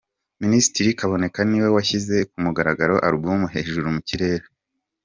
Minisitiri Kaboneka niwe washyize ku mugaragaro Alubum Hejuru mu kirere.